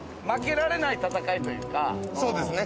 そうですね